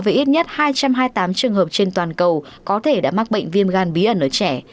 với ít nhất hai trăm hai mươi tám trường hợp trên toàn cầu có thể đã mắc bệnh viêm gan bí ẩn ở trẻ